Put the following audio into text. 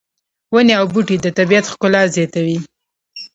ونې او بوټي د طبیعت ښکلا زیاتوي